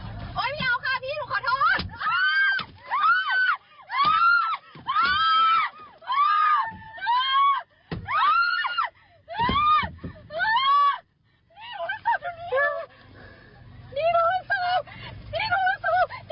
นี่คุณผู้ชมนี่คุณผู้ชมนี่คุณผู้ชมพี่โบ๊ค